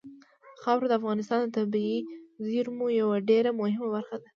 خاوره د افغانستان د طبیعي زیرمو یوه ډېره مهمه برخه ده.